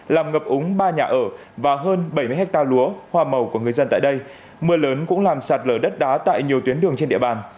làm ngập úng ba nhà ở và hơn bảy mươi hectare lúa hoa màu của người dân tại đây mưa lớn cũng làm sạt lở đất đá tại nhiều tuyến đường trên địa bàn